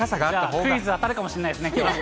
じゃあ、クイズ当たるかもしれないですね、きょうは。